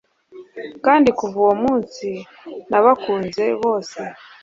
Kandi kuva uwo munsi nabakunze bose